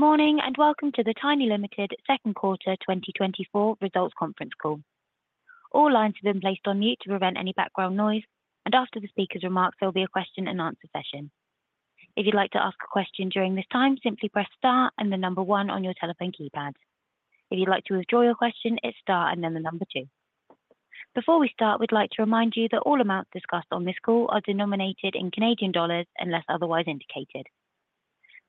Good morning, and welcome to the Tiny Ltd. second quarter 2024 results conference call. All lines have been placed on mute to prevent any background noise, and after the speaker's remarks, there will be a question and answer session. If you'd like to ask a question during this time, simply press star and the number one on your telephone keypad. If you'd like to withdraw your question, hit star and then the number two. Before we start, we'd like to remind you that all amounts discussed on this call are denominated in Canadian dollars unless otherwise indicated.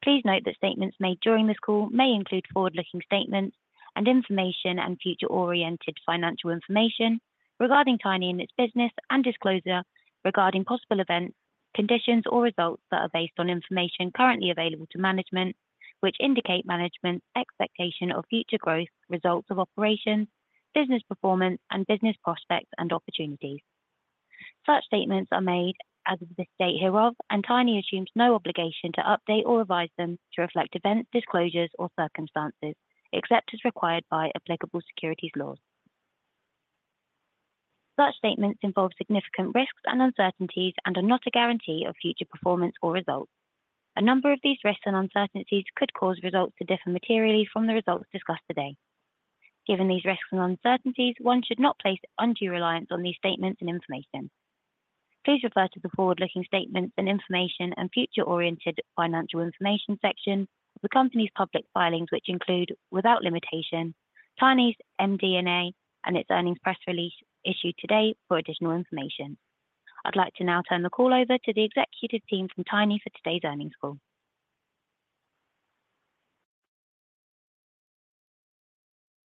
Please note that statements made during this call may include forward-looking statements and information and future-oriented financial information regarding Tiny and its business and disclosure regarding possible events, conditions, or results that are based on information currently available to management, which indicate management's expectation of future growth, results of operations, business performance, and business prospects and opportunities. Such statements are made as of this date hereof, and Tiny assumes no obligation to update or revise them to reflect events, disclosures, or circumstances, except as required by applicable securities laws. Such statements involve significant risks and uncertainties and are not a guarantee of future performance or results. A number of these risks and uncertainties could cause results to differ materially from the results discussed today. Given these risks and uncertainties, one should not place undue reliance on these statements and information. Please refer to the forward-looking statements and information and future-oriented financial information section of the Company's public filings, which include, without limitation, Tiny's MD&A and its earnings press release issued to date for additional information. I'd like to now turn the call over to the executive team from Tiny for today's earnings call.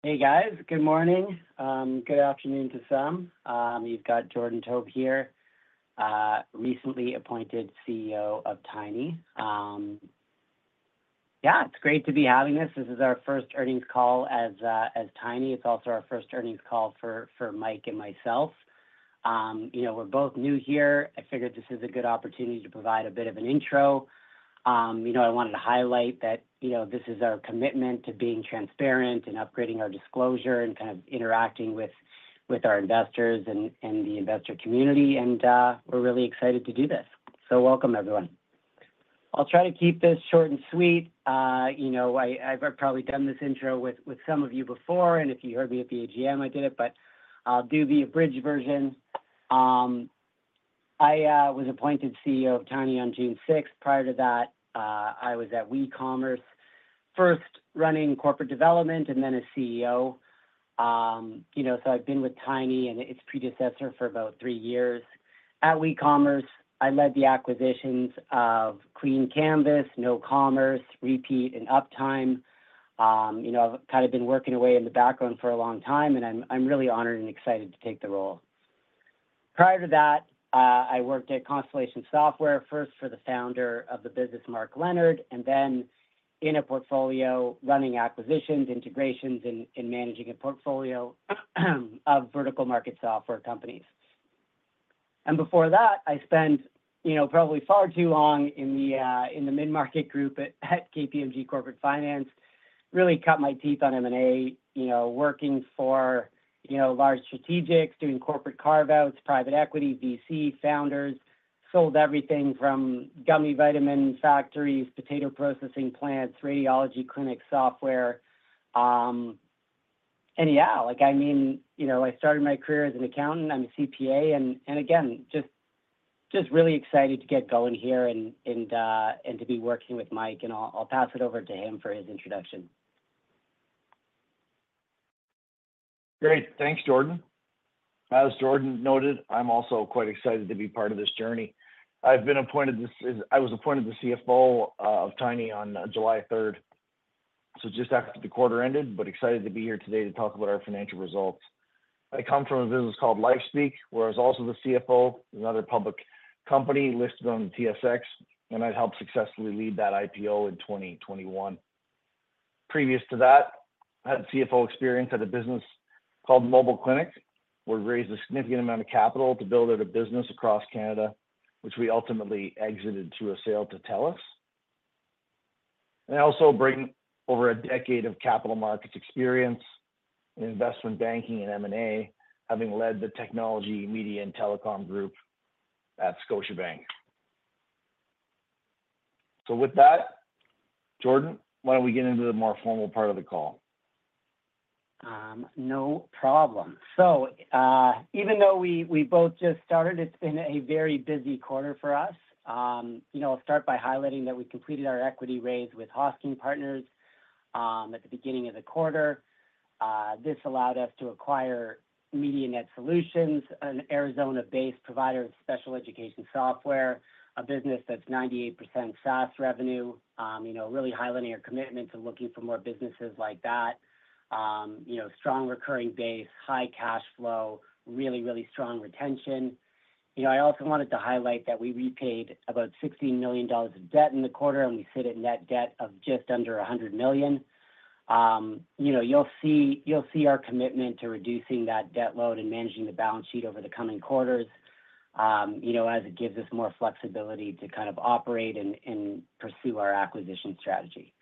Hey, guys. Good morning, good afternoon to some. You've got Jordan Taub here, recently appointed CEO of Tiny. Yeah, it's great to be having this. This is our first earnings call as Tiny. It's also our first earnings call for Mike and myself. You know, we're both new here. I figured this is a good opportunity to provide a bit of an intro. You know, I wanted to highlight that, you know, this is our commitment to being transparent and upgrading our disclosure and kind of interacting with our investors and the investor community, and we're really excited to do this. So welcome, everyone. I'll try to keep this short and sweet. You know, I've probably done this intro with some of you before, and if you heard me at the AGM, I did it, but I'll do the abridged version. I was appointed CEO of Tiny on June 6th. Prior to that, I was at WeCommerce, first running corporate development and then as CEO. You know, so I've been with Tiny and its predecessor for about three years. At WeCommerce, I led the acquisitions of Clean Canvas, NopCommerce, Repeat, and Uptime. You know, I've kind of been working away in the background for a long time, and I'm really honored and excited to take the role. Prior to that, I worked at Constellation Software, first for the founder of the business, Mark Leonard, and then in a portfolio running acquisitions, integrations, and managing a portfolio of vertical market software companies. And before that, I spent, you know, probably far too long in the mid-market group at KPMG Corporate Finance. Really cut my teeth on M&A, you know, working for, you know, large strategics, doing corporate carve-outs, private equity, VC, founders. Sold everything from gummy vitamin factories, potato processing plants, radiology clinic software. And yeah, like, I mean, you know, I started my career as an accountant. I'm a CPA, and again, just really excited to get going here and to be working with Mike, and I'll pass it over to him for his introduction. Great. Thanks, Jordan. As Jordan noted, I'm also quite excited to be part of this journey. I was appointed the CFO of Tiny on July 3rd, so just after the quarter ended, but excited to be here today to talk about our financial results. I come from a business called LifeSpeak, where I was also the CFO, another public company listed on the TSX, and I helped successfully lead that IPO in 2021. Previous to that, I had CFO experience at a business called Mobile Klinik, where we raised a significant amount of capital to build out a business across Canada, which we ultimately exited through a sale to TELUS. I also bring over a decade of capital markets experience in investment banking and M&A, having led the technology, media, and telecom group at Scotiabank. So with that, Jordan, why don't we get into the more formal part of the call? No problem, so even though we both just started, it's been a very busy quarter for us. You know, I'll start by highlighting that we completed our equity raise with Hosking Partners at the beginning of the quarter. This allowed us to acquire MediaNet Solutions, an Arizona-based provider of special education software, a business that's 98% SaaS revenue. You know, really highlighting our commitment to looking for more businesses like that. You know, strong recurring base, high cash flow, really, really strong retention. You know, I also wanted to highlight that we repaid about 60 million dollars of debt in the quarter, and we sit at net debt of just under 100 million. You know, you'll see our commitment to reducing that debt load and managing the balance sheet over the coming quarters. You know, as it gives us more flexibility to kind of operate and pursue our acquisition strategy.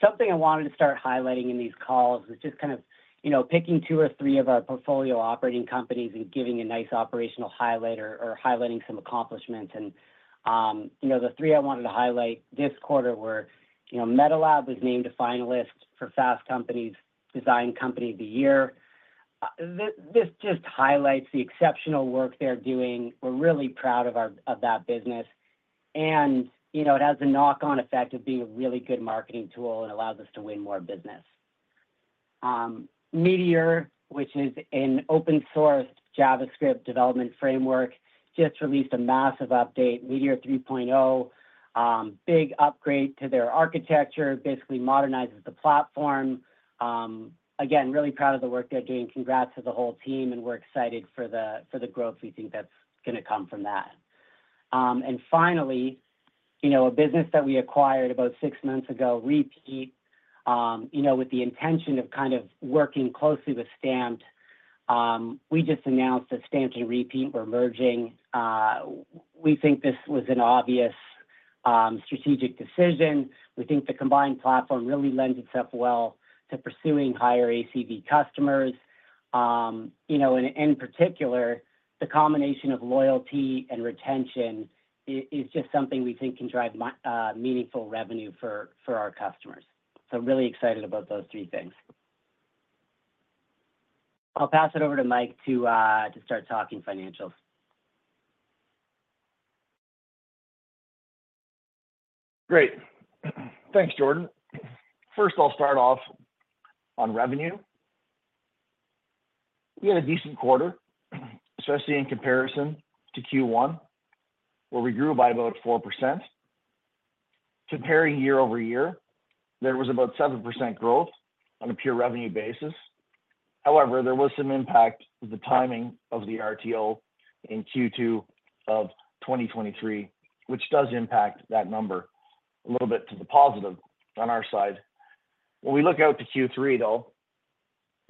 Something I wanted to start highlighting in these calls is just kind of, you know, picking two or three of our portfolio operating companies and giving a nice operational highlight or highlighting some accomplishments. The three I wanted to highlight this quarter were, you know, MetaLab was named a finalist for Fast Company's Design Company of the Year. This just highlights the exceptional work they're doing. We're really proud of that business. You know, it has a knock-on effect of being a really good marketing tool and allows us to win more business. Meteor, which is an open-source JavaScript development framework, just released a massive update, Meteor 3.0. Big upgrade to their architecture, basically modernizes the platform. Again, really proud of the work they're doing. Congrats to the whole team, and we're excited for the growth we think that's gonna come from that. And finally, you know, a business that we acquired about six months ago, Repeat, you know, with the intention of kind of working closely with Stamped. We just announced that Stamped and Repeat were merging. We think this was an obvious, strategic decision. We think the combined platform really lends itself well to pursuing higher ACV customers. You know, and in particular, the combination of loyalty and retention is just something we think can drive meaningful revenue for our customers. So really excited about those three things. I'll pass it over to Mike to, to start talking financials. Great. Thanks, Jordan. First of all, start off on revenue. We had a decent quarter, especially in comparison to Q1, where we grew by about 4%. Comparing year over year, there was about 7% growth on a pure revenue basis. However, there was some impact with the timing of the RTO in Q2 of 2023, which does impact that number a little bit to the positive on our side. When we look out to Q3, though,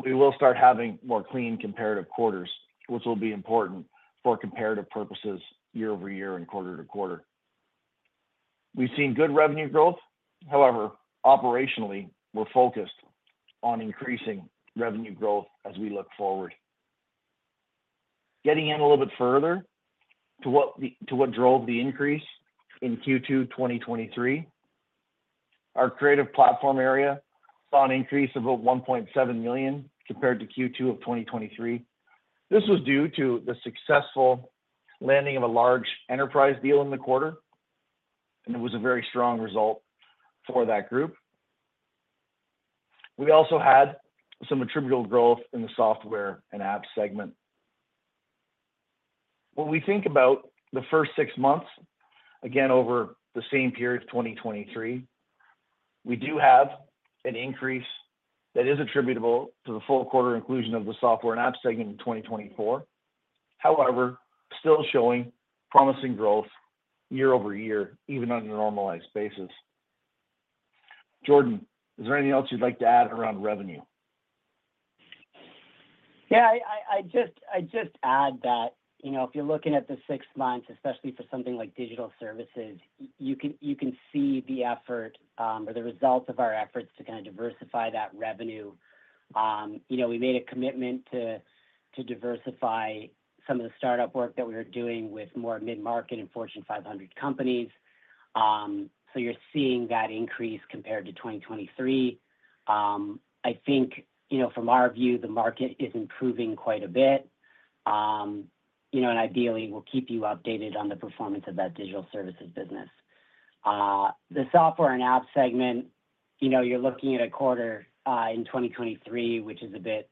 we will start having more clean comparative quarters, which will be important for comparative purposes, year over year and quarter to quarter. We've seen good revenue growth. However, operationally, we're focused on increasing revenue growth as we look forward. Getting in a little bit further to what drove the increase in Q2, 2023. Our creative platform area saw an increase of about 1.7 million compared to Q2 of 2023. This was due to the successful landing of a large enterprise deal in the quarter, and it was a very strong result for that group. We also had some attributable growth in the software and app segment. When we think about the first six months, again, over the same period, 2023, we do have an increase that is attributable to the full quarter inclusion of the software and app segment in 2024. However, still showing promising growth year over year, even on a normalized basis. Jordan, is there anything else you'd like to add around revenue? Yeah, I just add that, you know, if you're looking at the six months, especially for something like digital services, you can see the effort, or the results of our efforts to kinda diversify that revenue. You know, we made a commitment to diversify some of the startup work that we were doing with more mid-market and Fortune 500 companies. So you're seeing that increase compared to 2023. I think, you know, from our view, the market is improving quite a bit. You know, and ideally, we'll keep you updated on the performance of that digital services business. The software and app segment, you know, you're looking at a quarter in 2023, which is a bit,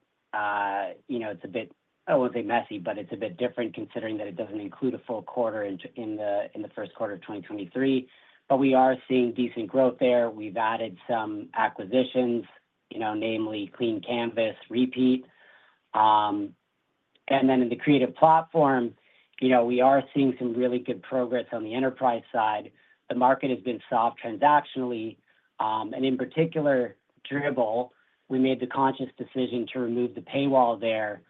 you know, it's a bit, I wouldn't say messy, but it's a bit different, considering that it doesn't include a full quarter in the first quarter of 2023. But we are seeing decent growth there. We've added some acquisitions, you know, namely Clean Canvas, Repeat. And then in the creative platform, you know, we are seeing some really good progress on the enterprise side. The market has been soft transactionally. And in particular, Dribbble, we made the conscious decision to remove the paywall there,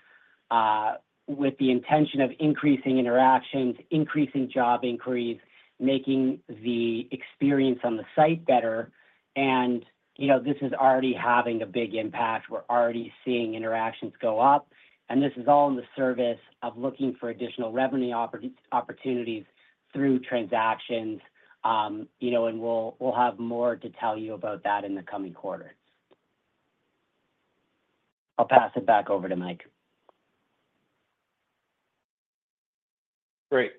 with the intention of increasing interactions, increasing job inquiries, making the experience on the site better. And, you know, this is already having a big impact. We're already seeing interactions go up, and this is all in the service of looking for additional revenue opportunities through transactions. You know, and we'll have more to tell you about that in the coming quarters. I'll pass it back over to Mike. Great.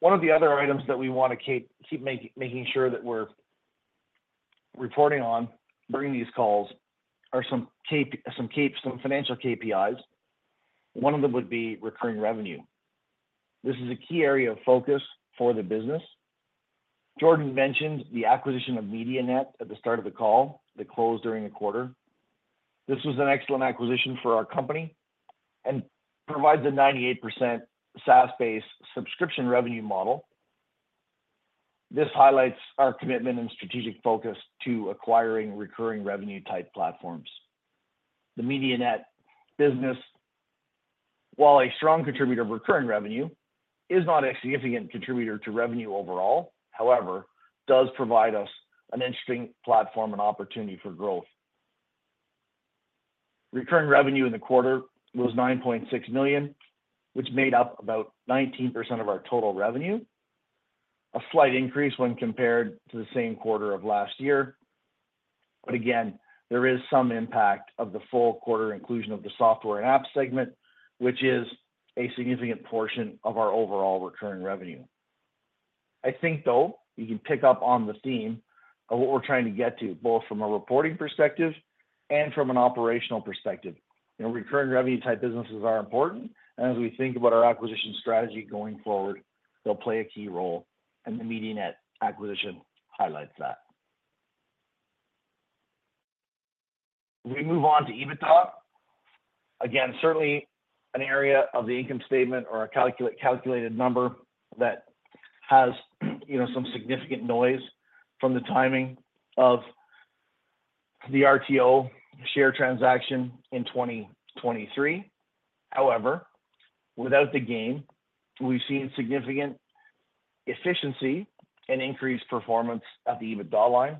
One of the other items that we wanna keep making sure that we're reporting on during these calls are some financial KPIs. One of them would be recurring revenue. This is a key area of focus for the business. Jordan mentioned the acquisition of MediaNet at the start of the call, that closed during the quarter. This was an excellent acquisition for our company and provides a 98% SaaS-based subscription revenue model. This highlights our commitment and strategic focus to acquiring recurring revenue-type platforms. The MediaNet business, while a strong contributor of recurring revenue, is not a significant contributor to revenue overall, however, does provide us an interesting platform and opportunity for growth. Recurring revenue in the quarter was 9.6 million, which made up about 19% of our total revenue, a slight increase when compared to the same quarter of last year. But again, there is some impact of the full quarter inclusion of the software and app segment, which is a significant portion of our overall recurring revenue. I think, though, you can pick up on the theme of what we're trying to get to, both from a reporting perspective and from an operational perspective. You know, recurring revenue type businesses are important, and as we think about our acquisition strategy going forward, they'll play a key role, and the MediaNet acquisition highlights that. We move on to EBITDA. Again, certainly an area of the income statement or a calculated number that has, you know, some significant noise from the timing of the RTO share transaction in 2023. However, without the gain, we've seen significant efficiency and increased performance at the EBITDA line.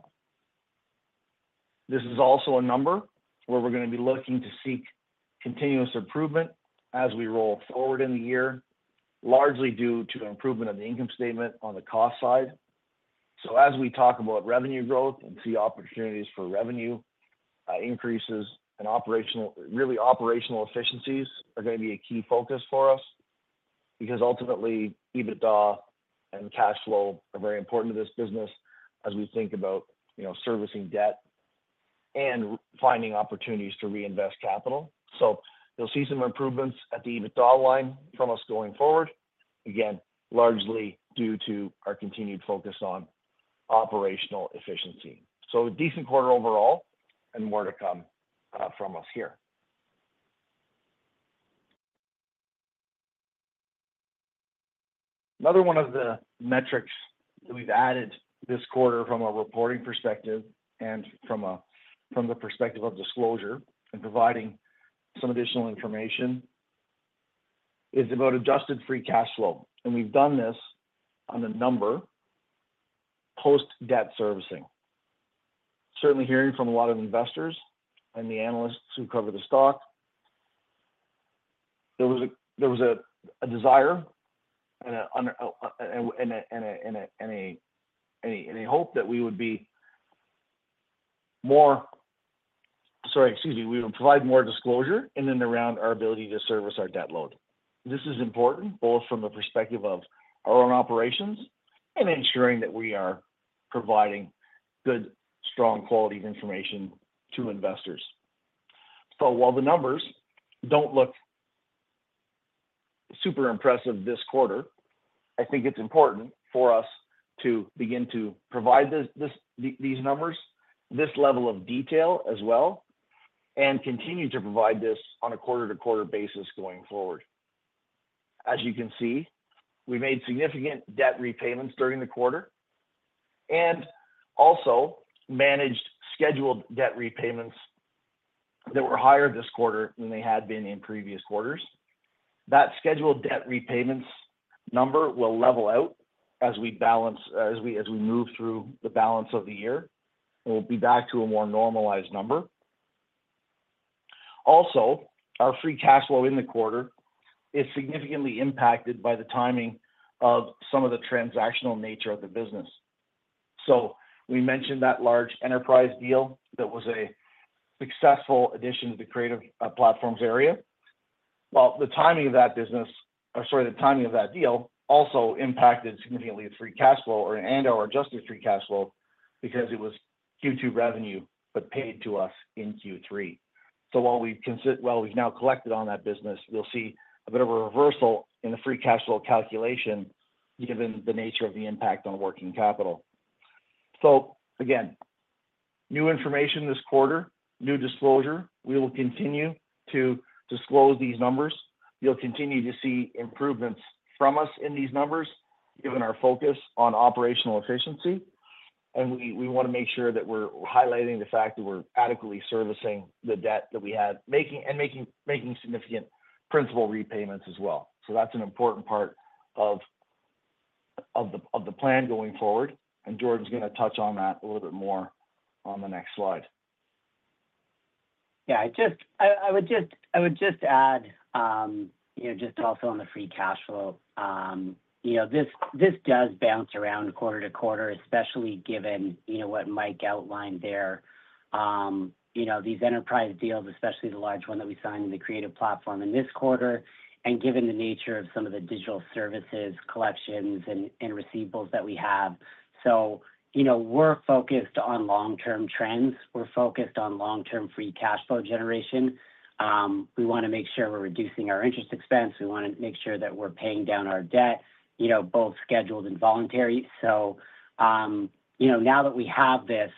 This is also a number where we're gonna be looking to seek continuous improvement as we roll forward in the year, largely due to the improvement of the income statement on the cost side. So as we talk about revenue growth and see opportunities for revenue, increases and operational, really operational efficiencies are gonna be a key focus for us. Because ultimately, EBITDA and cash flow are very important to this business as we think about, you know, servicing debt and finding opportunities to reinvest capital. So you'll see some improvements at the EBITDA line from us going forward, again, largely due to our continued focus on operational efficiency. So a decent quarter overall and more to come, from us here. Another one of the metrics that we've added this quarter from a reporting perspective and from the perspective of disclosure and providing some additional information is about adjusted free cash flow, and we've done this on a number post-debt servicing. Certainly hearing from a lot of investors and the analysts who cover the stock, there was a desire and a hope that we would be more... Sorry, excuse me, we would provide more disclosure in and around our ability to service our debt load. This is important both from the perspective of our own operations and ensuring that we are providing good, strong quality of information to investors. So while the numbers don't look super impressive this quarter, I think it's important for us to begin to provide these numbers, this level of detail as well, and continue to provide this on a quarter-to-quarter basis going forward. As you can see, we made significant debt repayments during the quarter, and also managed scheduled debt repayments that were higher this quarter than they had been in previous quarters. That scheduled debt repayments number will level out as we move through the balance of the year, and we'll be back to a more normalized number. Also, our free cash flow in the quarter is significantly impacted by the timing of some of the transactional nature of the business. We mentioned that large enterprise deal that was a successful addition to the creative platforms area. Well, the timing of that business, or sorry, the timing of that deal, also impacted significantly the free cash flow or and/or adjusted free cash flow because it was Q2 revenue, but paid to us in Q3. While we've now collected on that business, you'll see a bit of a reversal in the free cash flow calculation, given the nature of the impact on working capital. So again, new information this quarter, new disclosure. We will continue to disclose these numbers. You'll continue to see improvements from us in these numbers, given our focus on operational efficiency, and we wanna make sure that we're highlighting the fact that we're adequately servicing the debt that we have, making significant principal repayments as well. That's an important part of the plan going forward, and Jordan's gonna touch on that a little bit more on the next slide. Yeah, I would just add, you know, just also on the free cash flow, you know, this does bounce around quarter to quarter, especially given, you know, what Mike outlined there. You know, these enterprise deals, especially the large one that we signed in the creative platform in this quarter, and given the nature of some of the digital services, collections, and receivables that we have. So, you know, we're focused on long-term trends. We're focused on long-term free cash flow generation. We wanna make sure we're reducing our interest expense. We wanna make sure that we're paying down our debt, you know, both scheduled and voluntary. So, you know, now that we have this,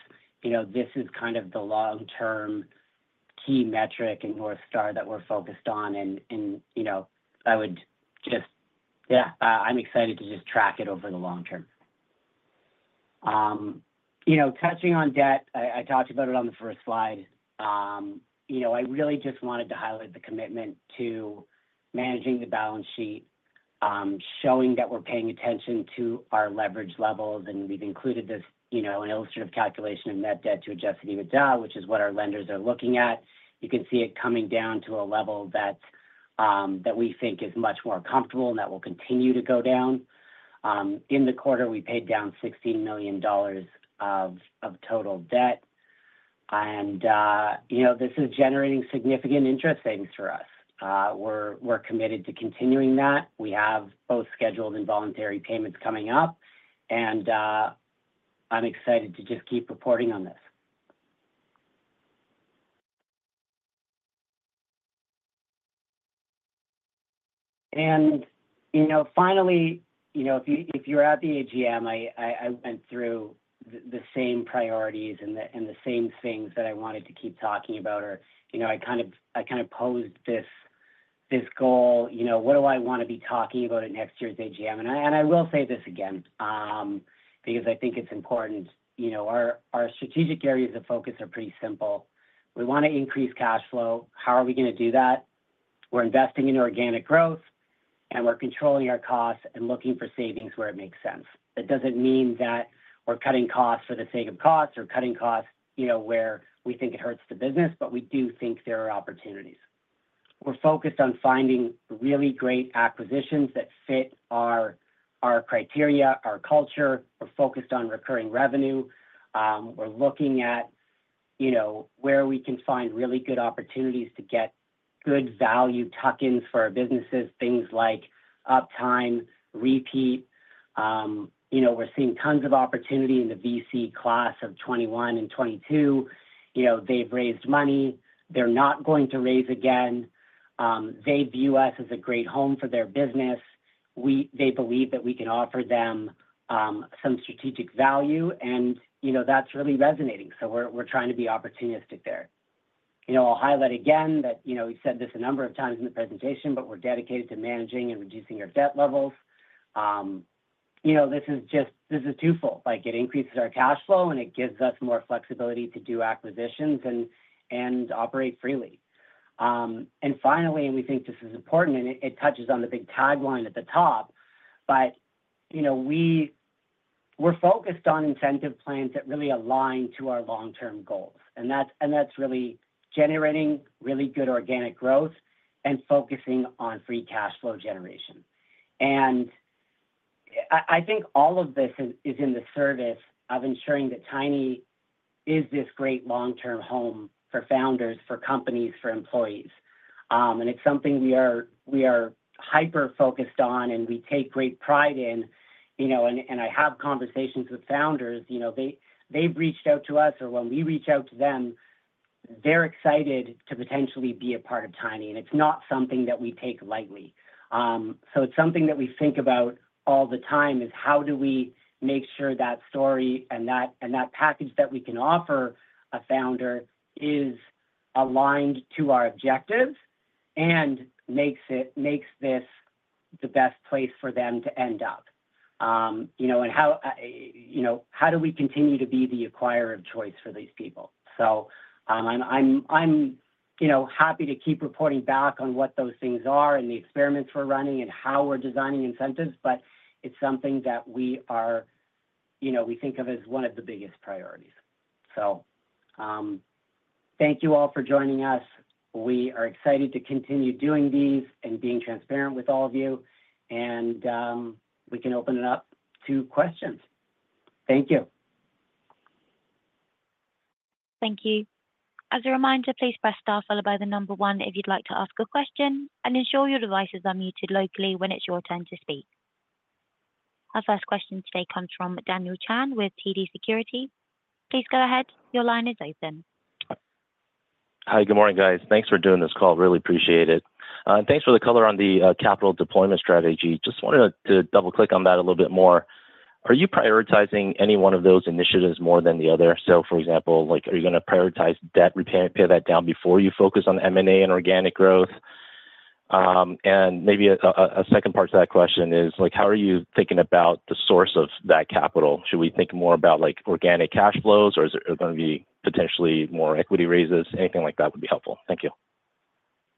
you know, this is kind of the long-term key metric and North Star that we're focused on. You know, I'm excited to just track it over the long term. You know, touching on debt, I talked about it on the first slide. You know, I really just wanted to highlight the commitment to managing the balance sheet, showing that we're paying attention to our leverage levels, and we've included this, you know, an illustrative calculation of net debt to Adjusted EBITDA, which is what our lenders are looking at. You can see it coming down to a level that we think is much more comfortable and that will continue to go down. In the quarter, we paid down 60 million dollars of total debt, and you know, this is generating significant interest savings for us. We're committed to continuing that. We have both scheduled and voluntary payments coming up, and I'm excited to just keep reporting on this. And, you know, finally, you know, if you were at the AGM, I went through the same priorities and the same things that I wanted to keep talking about, or, you know, I kind of posed this goal, you know, what do I want to be talking about at next year's AGM? And I will say this again, because I think it's important. You know, our strategic areas of focus are pretty simple. We want to increase cash flow. How are we going to do that? We're investing in organic growth, and we're controlling our costs and looking for savings where it makes sense. That doesn't mean that we're cutting costs for the sake of costs or cutting costs, you know, where we think it hurts the business, but we do think there are opportunities. We're focused on finding really great acquisitions that fit our criteria, our culture. We're focused on recurring revenue. We're looking at, you know, where we can find really good opportunities to get good value tuck-ins for our businesses, things like Uptime, Repeat. You know, we're seeing tons of opportunity in the VC class of 2021 and 2022. You know, they've raised money. They're not going to raise again. They view us as a great home for their business. They believe that we can offer them some strategic value, and, you know, that's really resonating. So we're trying to be opportunistic there. You know, I'll highlight again that, you know, we've said this a number of times in the presentation, but we're dedicated to managing and reducing our debt levels. You know, this is just, this is twofold. Like, it increases our cash flow, and it gives us more flexibility to do acquisitions and operate freely. And finally, and we think this is important, and it touches on the big tagline at the top, but you know, we're focused on incentive plans that really align to our long-term goals, and that's really generating really good organic growth and focusing on free cash flow generation. And I think all of this is in the service of ensuring that Tiny is this great long-term home for founders, for companies, for employees. It's something we are hyper-focused on, and we take great pride in. You know, and I have conversations with founders, you know, they've reached out to us, or when we reach out to them, they're excited to potentially be a part of Tiny, and it's not something that we take lightly. So it's something that we think about all the time, is how do we make sure that story and that package that we can offer a founder is aligned to our objectives and makes this the best place for them to end up? You know, how do we continue to be the acquirer of choice for these people? So, I'm, you know, happy to keep reporting back on what those things are and the experiments we're running and how we're designing incentives, but it's something that we are, you know, we think of as one of the biggest priorities. So, thank you all for joining us. We are excited to continue doing these and being transparent with all of you, and, we can open it up to questions. Thank you. Thank you. As a reminder, please press star followed by the number one if you'd like to ask a question, and ensure your devices are muted locally when it's your turn to speak. Our first question today comes from Daniel Chan with TD Securities. Please go ahead. Your line is open. Hi. Good morning, guys. Thanks for doing this call. Really appreciate it. Thanks for the color on the capital deployment strategy. Just wanted to double-click on that a little bit more. Are you prioritizing any one of those initiatives more than the other? So, for example, like, are you gonna prioritize debt repair, pay that down before you focus on M&A and organic growth, and maybe a second part to that question is, like, how are you thinking about the source of that capital? Should we think more about, like, organic cash flows, or is it gonna be potentially more equity raises? Anything like that would be helpful. Thank you.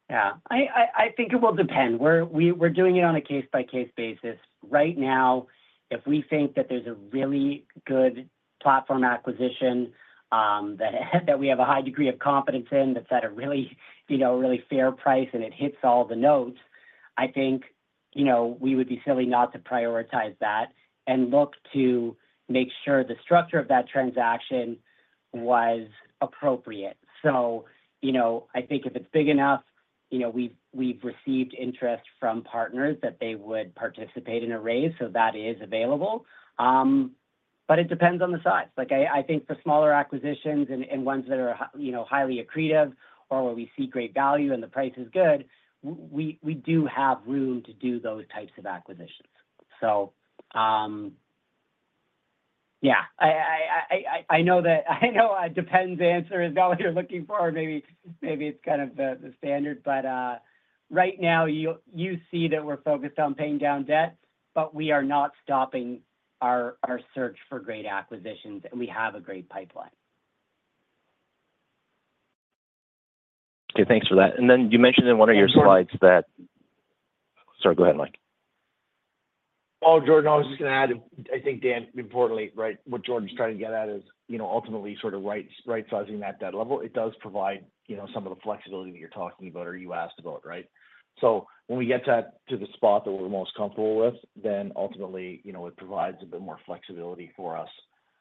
Yeah. I think it will depend. We're doing it on a case-by-case basis. Right now, if we think that there's a really good platform acquisition, that we have a high degree of confidence in, that's at a really, you know, really fair price, and it hits all the notes, I think, you know, we would be silly not to prioritize that and look to make sure the structure of that transaction was appropriate. So, you know, I think if it's big enough, you know, we've received interest from partners that they would participate in a raise, so that is available. But it depends on the size. Like, I think for smaller acquisitions and ones that are, you know, highly accretive or where we see great value and the price is good, we do have room to do those types of acquisitions. So, yeah, I know that a depends answer is not what you're looking for. Maybe it's kind of the standard, but right now, you see that we're focused on paying down debt, but we are not stopping our search for great acquisitions, and we have a great pipeline. Okay, thanks for that. And then you mentioned in one of your slides that-- Sorry, go ahead, Mike. Oh, Jordan, I was just gonna add, I think, Dan, importantly, right, what Jordan's trying to get at is, you know, ultimately sort of right, right-sizing that debt level. It does provide, you know, some of the flexibility that you're talking about or you asked about, right? So when we get to the spot that we're most comfortable with, then ultimately, you know, it provides a bit more flexibility for us,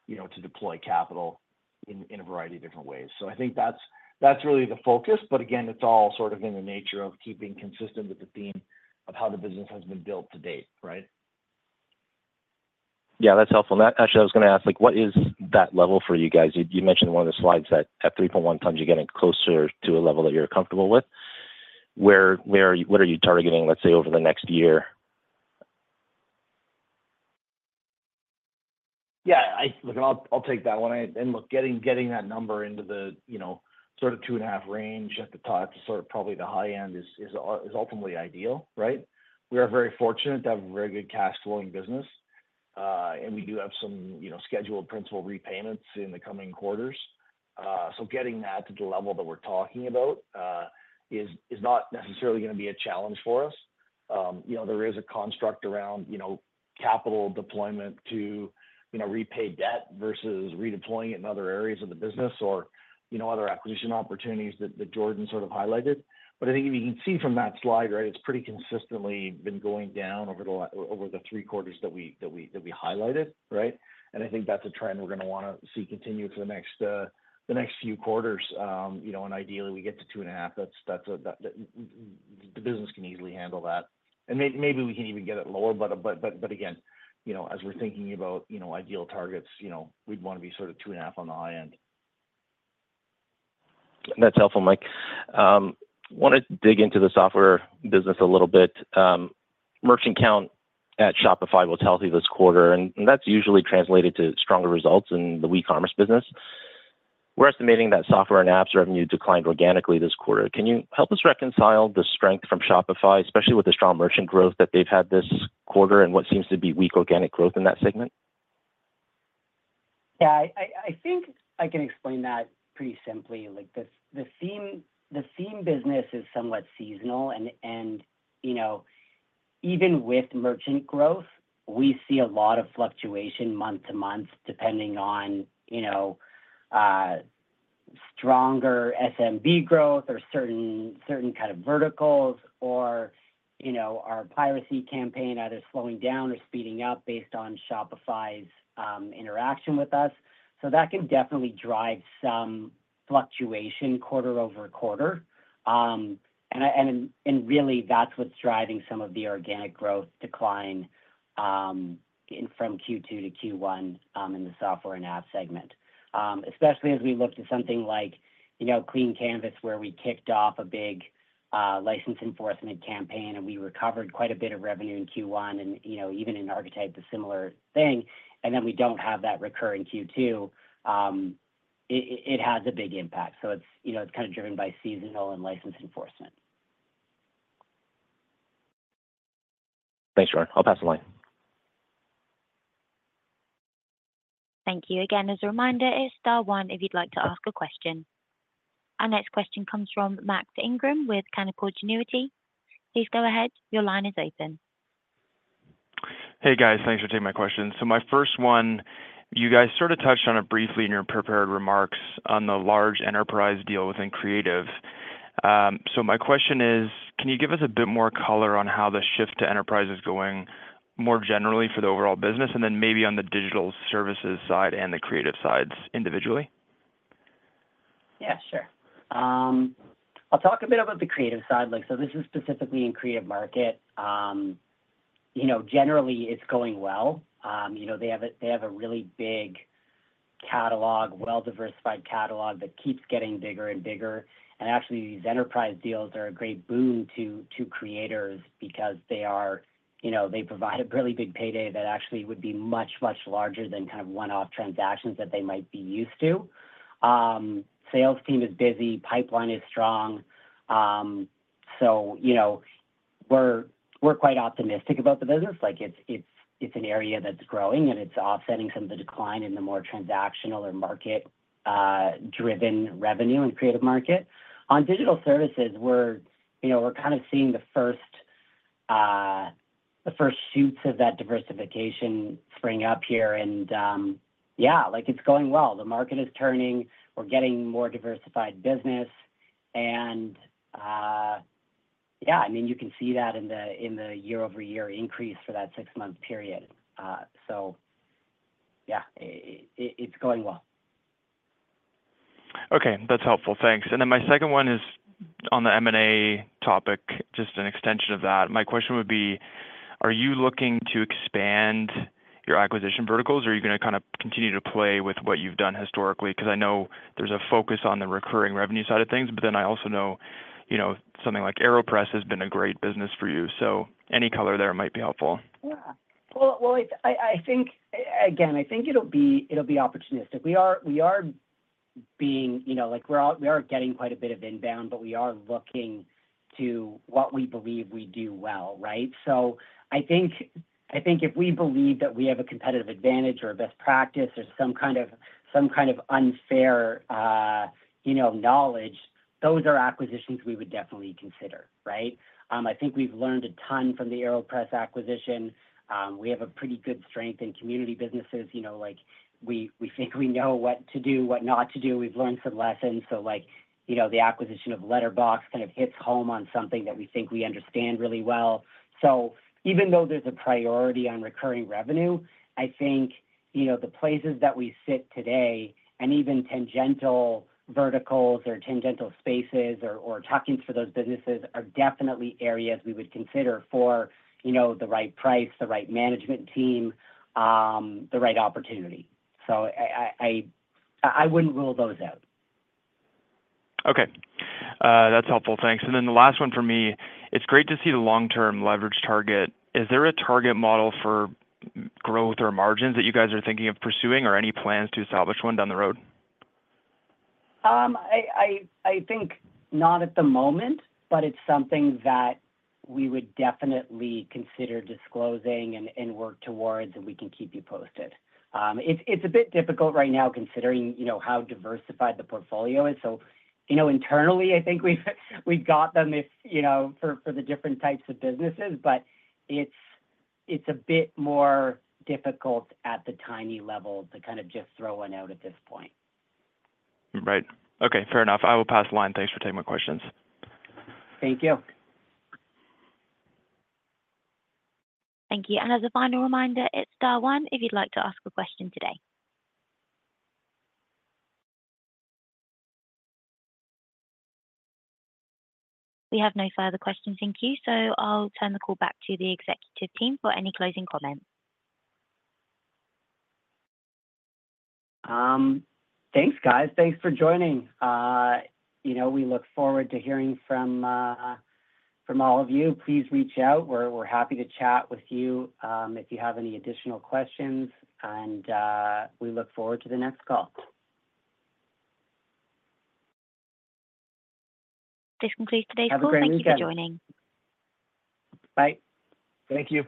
you know, to deploy capital in a variety of different ways. So I think that's really the focus. But again, it's all sort of in the nature of keeping consistent with the theme of how the business has been built to date, right? Yeah, that's helpful. And actually, I was gonna ask, like, what is that level for you guys? You mentioned one of the slides that at three point one times, you're getting closer to a level that you're comfortable with. What are you targeting, let's say, over the next year? Yeah, look, I'll take that one. And look, getting that number into the, you know, sort of two and a half range at the top to sort of probably the high end is ultimately ideal, right? We are very fortunate to have a very good cash flowing business. And we do have some, you know, scheduled principal repayments in the coming quarters. So getting that to the level that we're talking about is not necessarily gonna be a challenge for us. You know, there is a construct around, you know, capital deployment to, you know, repay debt versus redeploying it in other areas of the business or, you know, other acquisition opportunities that Jordan sort of highlighted. But I think you can see from that slide, right, it's pretty consistently been going down over the last three quarters that we highlighted, right? And I think that's a trend we're gonna wanna see continue for the next few quarters. You know, and ideally, we get to two and a half. That's. The business can easily handle that. And maybe we can even get it lower, but again, you know, as we're thinking about, you know, ideal targets, you know, we'd wanna be sort of two and a half on the high end. That's helpful, Mike. Wanna dig into the software business a little bit. Merchant count at Shopify was healthy this quarter, and that's usually translated to stronger results in the e-commerce business. We're estimating that software and apps revenue declined organically this quarter. Can you help us reconcile the strength from Shopify, especially with the strong merchant growth that they've had this quarter and what seems to be weak organic growth in that segment? Yeah, I think I can explain that pretty simply. Like, the theme business is somewhat seasonal and, you know, even with merchant growth, we see a lot of fluctuation month to month, depending on, you know, stronger SMB growth or certain kind of verticals or, you know, our piracy campaign either slowing down or speeding up based on Shopify's interaction with us. So that can definitely drive some fluctuation quarter over quarter. And really, that's what's driving some of the organic growth decline in from Q2 to Q1 in the software and app segment. Especially as we look to something like, you know, Clean Canvas, where we kicked off a big license enforcement campaign, and we recovered quite a bit of revenue in Q1, and, you know, even in Archetype, a similar thing. And then we don't have that recur in Q2. It has a big impact, so it's, you know, it's kind of driven by seasonal and license enforcement. Thanks, Jordan. I'll pass the line. Thank you again. As a reminder, it's star one if you'd like to ask a question. Our next question comes from Max Ingram with Canaccord Genuity. Please go ahead. Your line is open. Hey, guys. Thanks for taking my question. So my first one, you guys sort of touched on it briefly in your prepared remarks on the large enterprise deal within creative. So my question is: Can you give us a bit more color on how the shift to enterprise is going more generally for the overall business, and then maybe on the digital services side and the creative sides individually? Yeah, sure. I'll talk a bit about the creative side. Like, so this is specifically in Creative Market. You know, generally, it's going well. You know, they have a really big catalog, well-diversified catalog that keeps getting bigger and bigger. And actually, these enterprise deals are a great boon to creators because they are, you know, they provide a really big payday that actually would be much, much larger than kind of one-off transactions that they might be used to. Sales team is busy, pipeline is strong. So you know, we're quite optimistic about the business. Like, it's an area that's growing, and it's offsetting some of the decline in the more transactional or market driven revenue and Creative Market. On digital services, we're, you know, we're kind of seeing the first shoots of that diversification spring up here. And yeah, like, it's going well. The market is turning. We're getting more diversified business. And yeah, I mean, you can see that in the year-over-year increase for that six-month period. So yeah, it's going well. Okay, that's helpful. Thanks. And then my second one is on the M&A topic, just an extension of that. My question would be: Are you looking to expand your acquisition verticals, or are you gonna kind of continue to play with what you've done historically? Because I know there's a focus on the recurring revenue side of things, but then I also know, you know, something like AeroPress has been a great business for you. So any color there might be helpful. Yeah. Well, I think it'll be opportunistic again. We are getting quite a bit of inbound, but we are looking to what we believe we do well, right? So I think if we believe that we have a competitive advantage or a best practice or some kind of unfair, you know, knowledge, those are acquisitions we would definitely consider, right? I think we've learned a ton from the AeroPress acquisition. We have a pretty good strength in community businesses, you know, like we think we know what to do, what not to do. We've learned some lessons. So like, you know, the acquisition of Letterboxd kind of hits home on something that we think we understand really well. So even though there's a priority on recurring revenue, I think, you know, the places that we sit today and even tangential verticals or tangential spaces or tuck-ins for those businesses are definitely areas we would consider for, you know, the right price, the right management team, the right opportunity. So I wouldn't rule those out. Okay. That's helpful. Thanks. And then the last one for me, it's great to see the long-term leverage target. Is there a target model for growth or margins that you guys are thinking of pursuing, or any plans to establish one down the road? I think not at the moment, but it's something that we would definitely consider disclosing and work towards, and we can keep you posted. It's a bit difficult right now, considering, you know, how diversified the portfolio is, so you know, internally, I think we've got them if, you know, for the different types of businesses, but it's a bit more difficult at the Tiny level to kind of just throw one out at this point. Right. Okay, fair enough. I will pass the line. Thanks for taking my questions. Thank you. Thank you, and as a final reminder, it's star one, if you'd like to ask a question today. We have no further questions in queue, so I'll turn the call back to the executive team for any closing comments. Thanks, guys. Thanks for joining. You know, we look forward to hearing from all of you. Please reach out. We're happy to chat with you if you have any additional questions, and we look forward to the next call. This concludes today's call. Have a great weekend. Thank you for joining. Bye. Thank you.